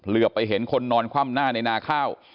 เหลือไปเห็นคนนอนคว่ำหน้าในนาข้าว